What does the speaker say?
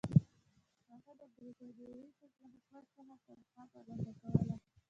هغه د برټانوي هند له حکومت څخه تنخوا ترلاسه کوله.